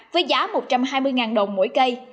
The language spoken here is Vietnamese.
với giá một trăm hai mươi đồng mỗi cây